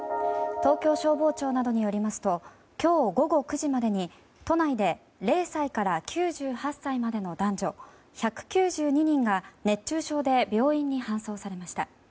東京消防庁などによりますと今日午後９時までに都内で０歳から９８歳までの男女１９２人が熱中症で病院に搬送されました。